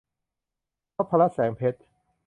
นพรัตน์ แสงเพชร